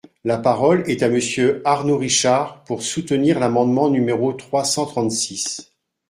La parole est à Monsieur Arnaud Richard, pour soutenir l’amendement numéro trois cent trente-six.